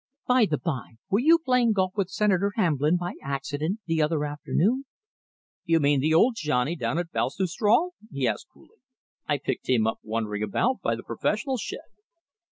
By the bye, were you playing golf with Senator Hamblin by accident the other afternoon?" "You mean the old Johnny down at Baltusrol?" he asked coolly. "I picked him up wandering about by the professionals' shed."